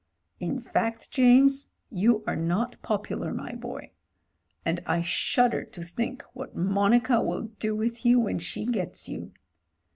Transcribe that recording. "In fact, James, you are not popular, my boy — and I shudder to think what Monica will do with you when she gets you.